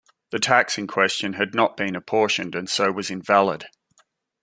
The tax in question had not been apportioned and so was invalid.